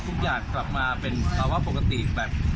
ทุกอย่างกลับมาเป็นภาวะปกติแบบ